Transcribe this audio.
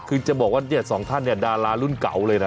คือจะบอกว่าสองท่านนี่ดารารุ่นเก่าเลยน่ะ